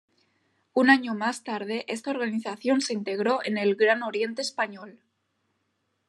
Un año más tarde esta organización se integró en el Gran Oriente Español.